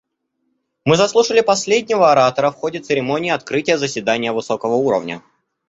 Мы заслушали последнего оратора в ходе церемонии открытия заседания высокого уровня.